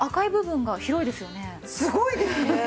すごいですね。